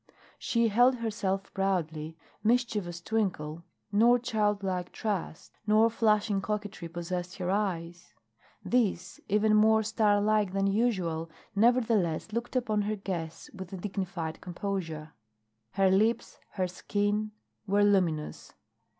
She held herself proudly; mischievous twinkle, nor child like trust, nor flashing coquetry possessed her eyes; these, even more star like than usual, nevertheless looked upon her guests with a dignified composure. Her lips, her skin, were luminous.